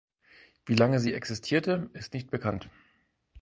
Wie lange sie existierte, ist nicht bekannt.